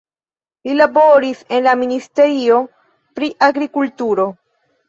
Li laboris en la Ministerio pri Agrikulturo.